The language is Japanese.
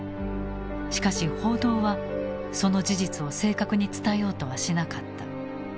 しかし報道はその事実を正確に伝えようとはしなかった。